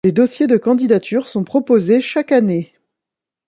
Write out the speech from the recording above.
Les dossiers de candidatures sont proposés chaque année.